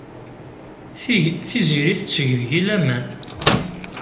Tiziri tetteg deg-i laman.